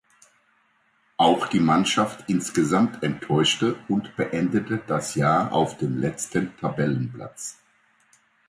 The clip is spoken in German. Auch die Mannschaft insgesamt enttäuschte und beendete das Jahr auf dem letzten Tabellenplatz.